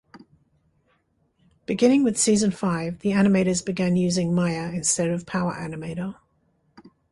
Beginning with season five, the animators began using Maya instead of PowerAnimator.